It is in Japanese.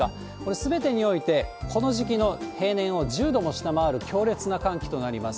すべてにおいてこの時期の平年を１０度も下回る強烈な寒気となります。